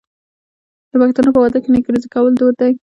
د پښتنو په واده کې نکریزې کول دود دی.